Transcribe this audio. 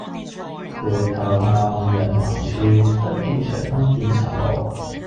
回頭下望人寰處，不見長安見塵霧。